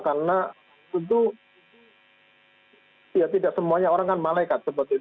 karena tentu ya tidak semuanya orang kan malaikat